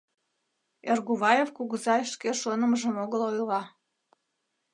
— Эргуваев кугызай шке шонымыжым огыл ойла.